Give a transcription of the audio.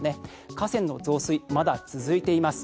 河川の増水、まだ続いています。